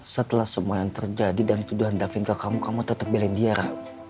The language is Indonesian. setelah semua yang terjadi dan tuduhan davin ke kamu kamu tetap belain dia ra